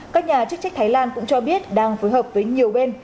các nhà chức trách thái lan cũng cho biết đang phối hợp với nhiều bên